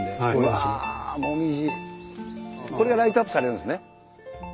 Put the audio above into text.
これがライトアップされるんですね。